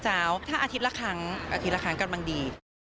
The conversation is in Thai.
ถ้าอาทิตย์ละครั้งอาทิตย์ละครั้งกำลังดี